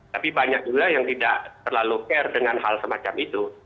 tapi banyak juga yang tidak terlalu care dengan hal semacam itu